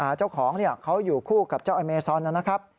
เจ้าของเนี่ยเขาอยู่คู่กับเจ้าอเมซอนนะครับ